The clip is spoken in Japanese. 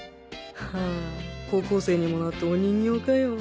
ハァ高校生にもなってお人形かよ。